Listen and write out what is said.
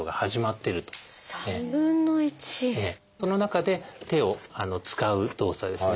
その中で手を使う動作ですね。